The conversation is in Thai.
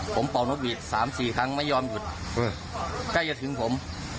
ผมปล่องรถหวีดสามสี่ครั้งไม่ยอมหยุดใกล้จะถึงผม